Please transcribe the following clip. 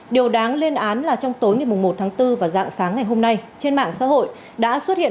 điều đáng lên án là trong tối ngày một tháng bốn và dạng sáng ngày hôm nay trên mạng xã hội đã xuất hiện